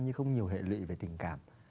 như không nhiều hệ lụy về tình cảm